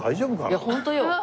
いやホントよ。